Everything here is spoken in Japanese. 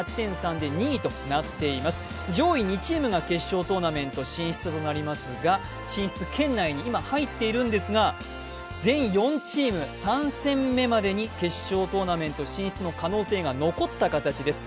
上位２チームが決勝トーナメント進出となりますが進出圏内に今、入っているんですが全４チーム、３戦目までに決勝トーナメント進出の可能性が残った形です。